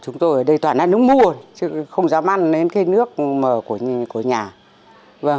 chúng tôi ở đây toàn là nước mua chứ không dám ăn đến cái nước mờ của nhà